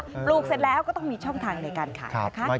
ปลูกเสร็จแล้วก็ต้องมีช่องทางในการขายนะคะ